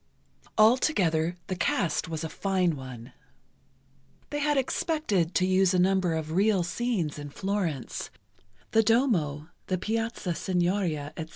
Altogether, the cast was a fine one. They had expected to use a number of real scenes in Florence—the Duomo, the Piazza Signoria, etc.